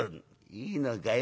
「いいのかよ